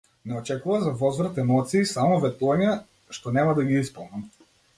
Не очекува за возврат емоции, само ветувања, што нема да ги исполнам.